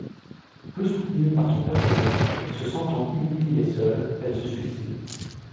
Peu soutenue par son personnel, se sentant inutile et seule, elle se suicide.